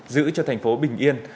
giữ cho thành phố bình yên